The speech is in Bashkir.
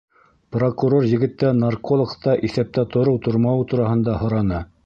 Прокурор егеттән наркологта иҫәптә тороу-тормауы тураһында һораны.